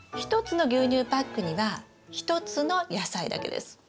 １つの牛乳パックには１つの野菜だけです。